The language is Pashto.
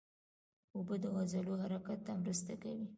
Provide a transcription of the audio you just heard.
اوبه د عضلو حرکت ته مرسته کوي